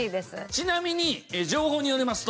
ちなみに情報によりますと。